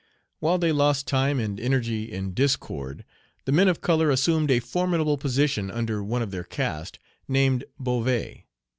While they lost time and energy in discord, the men of color assumed a formidable position under one of their caste, named Beauvais.